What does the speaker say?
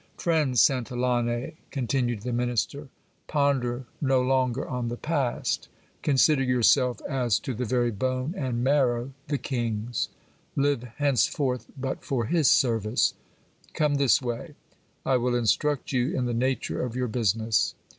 Friend Santillane, continued the minister, ponder no longer on the past ; con sider yourself as to the very bone and marrow the king's ; live henceforth but for his service. Come this way ; I will instruct you in the nature of your busi ness.